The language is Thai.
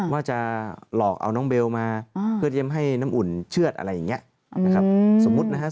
ว่าจะหลอกเอาน้องเบลมาเพื่อเยี่ยมให้น้ำอุ่นเชื่อดอะไรอย่างนี้นะครับ